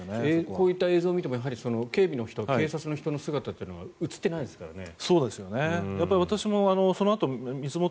こういった映像を見ても警備の人、警察の人は映ってないですからね。